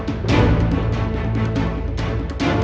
mas rasha tunggu